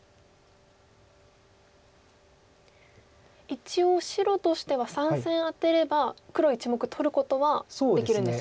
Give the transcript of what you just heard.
一応白としては３線アテれば黒１目取ることはできるんですよね。